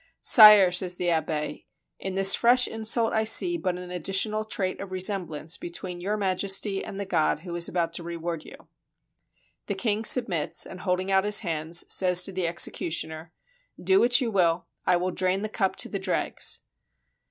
"Sire," says the abbe, "in this fresh insult I see but an addi tional trait of resemblance between Your Majesty and the God who is about to reward you." The king sub mits, and, holding out his hands, says to the execu tioner: "Do what you will; I will drain the cup to the dregs."